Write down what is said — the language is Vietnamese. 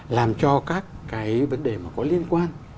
làm cho các cái vấn đề mà có liên quan